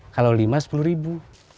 kalau lima sepuluh ribu